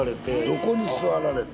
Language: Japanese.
「どこに座られた」？